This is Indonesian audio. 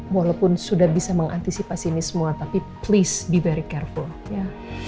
walaupun sudah bisa mengantisipasi ini semua tapi tolong hati hati ya